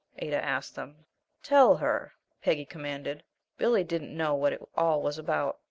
Ada asked them. "Tell her," Peggy commanded. Billy didn't know what it all was about.